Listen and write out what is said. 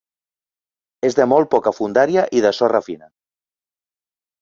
És de molt poca fondària i de sorra fina.